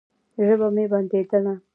ژبه مې بنديدله.